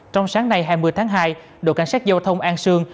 trong sáng nay hai mươi tháng hai đội cảnh sát giao thông an sương